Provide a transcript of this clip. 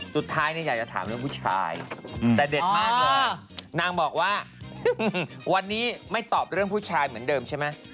อยากจะถามเรื่องผู้ชายแต่เด็ดมากเลยนางบอกว่าวันนี้ไม่ตอบเรื่องผู้ชายเหมือนเดิมใช่ไหม